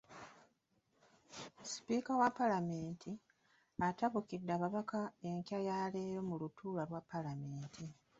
Sipiika wa Palamenti, atabukidde ababaka enkya ya leero mu lutuula lwa Paalamenti.